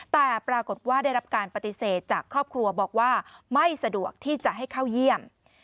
แต่ปรากฏว่าได้รับการปฏิเสธจากครอบครัวบอกว่าไม่สะดวกที่จะให้เข้าเยี่ยม